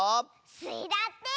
スイだって！